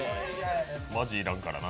マジいらんからな。